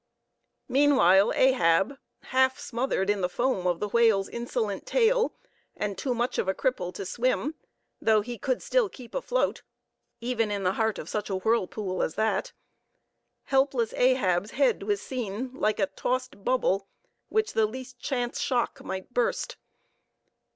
Meanwhile Ahab, half smothered in the foam of the whale's insolent tail, and too much of a cripple to swim,—though he could still keep afloat, even in the heart of such a whirlpool as that,—helpless Ahab's head was seen, like a tossed bubble which the least chance shock might burst.